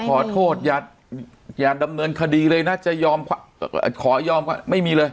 ขอโทษอย่าดำเนินคดีเลยนะจะยอมขอยอมก็ไม่มีเลย